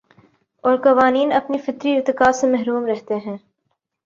اور قوانین اپنے فطری ارتقا سے محروم رہتے ہیں